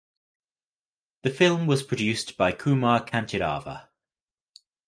The film was produced by Kumar Kanteerava.